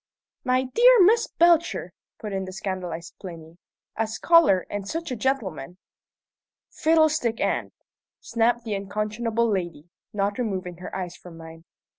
"My dear Miss Belcher!" put in the scandalized Plinny. "A scholar, and such a gentleman!" "Fiddlestick end!" snapped the unconscionable lady, not removing her eyes from mine.